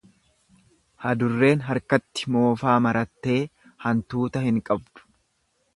Adurreen harkatti mofaa marattee hantuuta hin qabdu.